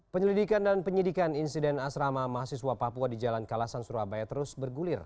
penyelidikan dan penyidikan insiden asrama mahasiswa papua di jalan kalasan surabaya terus bergulir